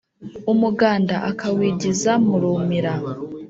umuganda akawigiza mu rumira